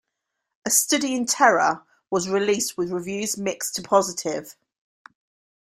"A Study in Terror" was released with reviews mixed to positive.